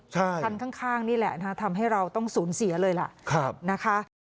ใช่ขั้นข้างข้างนี่แหละนะฮะทำให้เราต้องสูญเสียเลยล่ะครับนะฮะ